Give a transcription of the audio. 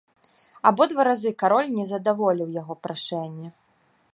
Абодва разы кароль не задаволіў яго прашэнне.